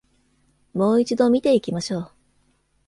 もう一度見て行きましょう。